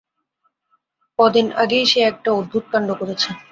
ক দিন আগেই সে একটা অদ্ভুত কাণ্ড করেছে।